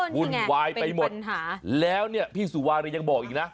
วุ่นวายไปหมดแล้วเนี่ยพี่สุวารียังบอกอีกนะ